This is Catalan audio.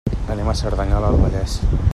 Anem a Cerdanyola del Vallès.